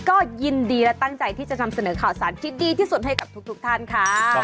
ก็ยินดีและตั้งใจที่จะนำเสนอข่าวสารที่ดีที่สุดให้กับทุกท่านค่ะ